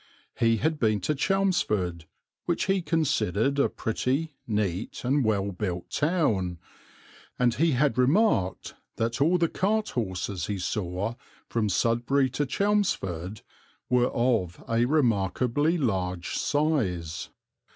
He had been to Chelmsford, which he considered a pretty, neat, and well built town, and he had remarked that all the cart horses he saw from Sudbury to Chelmsford were of a remarkably large size.